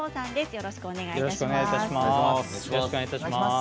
よろしくお願いします。